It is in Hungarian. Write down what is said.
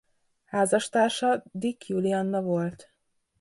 Házastársa Dick Julianna volt.